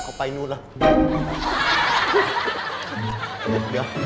เค้าไปนู่นแล้ว